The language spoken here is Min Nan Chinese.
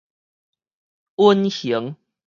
隱形